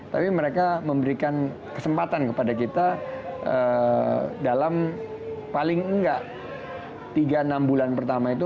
tapi mereka memberikan kesempatan kepada kita dalam paling enggak tiga enam bulan pertama itu